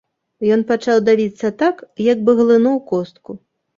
Ён пачаў давіцца так, як бы глынуў костку.